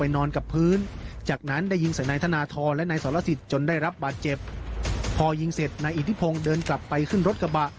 นายอิทธิพงศ์เดินกลับไปขึ้นรถกระบะ